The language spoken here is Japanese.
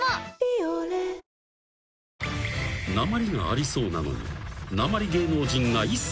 ［なまりがありそうなのに一切］